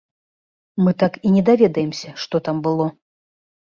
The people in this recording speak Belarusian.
Мы так і не даведаемся, што там было.